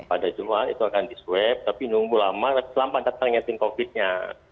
pada jumat itu akan diswep tapi nunggu lama selama lamanya ternyata ngetik covid sembilan belas nya